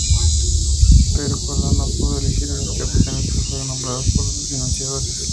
Pero Colón no pudo elegir a sus capitanes, que fueron nombrados por sus financiadores.